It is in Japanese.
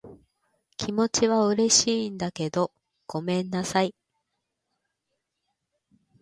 気持ちは嬉しいんだけど、ごめんなさい。